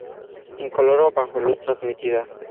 Incoloro bajo luz transmitida.